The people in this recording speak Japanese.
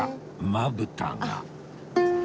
まぶたが